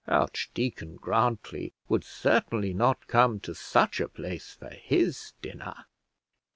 Archdeacon Grantly would certainly not come to such a place for his dinner.